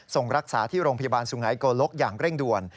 ส่งรักษาที่โรงพยาบาลสุหายโกลกอย่างเร่งด่วน